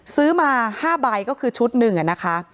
ซื้อมา๕ใบก็คือชุดหนึ่งนะคะ